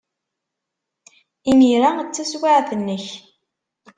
Imir-a d taswiɛt-nnek.